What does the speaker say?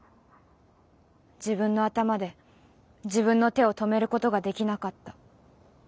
自分の頭で自分の手を止めることができなかった」。